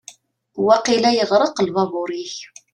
Waqila yeɣreq lbabur-ik.